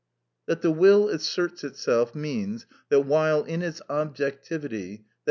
That the will asserts itself means, that while in its objectivity, _i.